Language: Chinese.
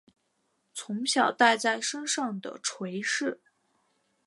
从小带在身上的垂饰